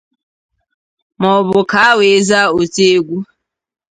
ma ọ bụ ka wee zaa oti egwu